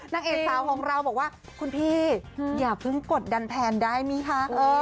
นางเอกสาวของเราบอกว่าคุณพี่อย่าเพิ่งกดดันแทนได้ไหมคะ